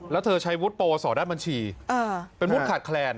แล้วเธอใช้วูทโปรสระดับบัญชีเป็นวูทขาดแคลียน